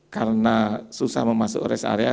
karena susah memasuk rest area